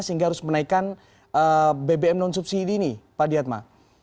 sehingga harus menaikkan bbm non subsidi ini pak diatma